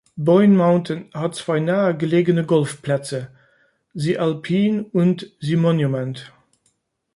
Boyne Mountain hat zwei nahe gelegene Golfplätze: "The Alpine" und "The Monument".